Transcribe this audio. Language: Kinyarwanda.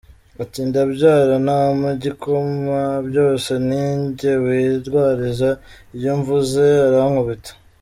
Ati “Ndabyara ntampa igikoma byose ninjye wirwariza, iyo mvuze arankubita.